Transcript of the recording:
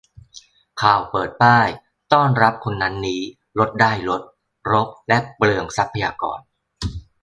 ข่าวเปิดป้าย ต้อนรับคนนั้นนี้ ลดได้ลด รกและเปลืองทรัพยากร